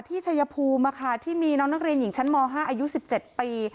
ชายภูมิที่มีน้องนักเรียนหญิงชั้นม๕อายุ๑๗ปี